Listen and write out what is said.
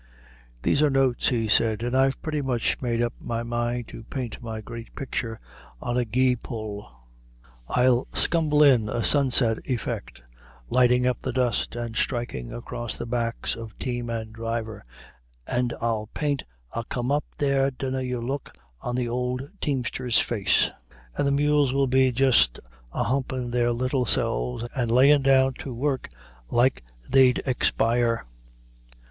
"These are notes," he said, "and I've pretty much made up my mind to paint my great picture on a gee pull. I'll scumble in a sunset effect, lighting up the dust, and striking across the backs of team and driver, and I'll paint a come up there d'n you look on the old teamster's face, and the mules will be just a humping their little selves and laying down to work like they'd expire.